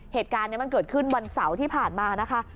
เหตุการณ์นี้มันเกิดขึ้นวันเสาร์ที่ผ่านมานะคะ